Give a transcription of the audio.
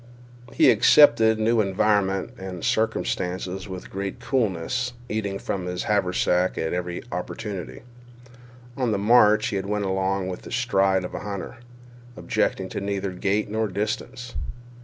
He accepted new environment and circumstance with great coolness, eating from his haversack at every opportunity. On the march he went along with the stride of a hunter, objecting to neither gait nor distance.